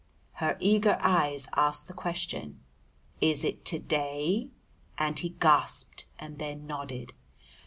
Her eager eyes asked the question, "Is it to day?" and he gasped and then nodded.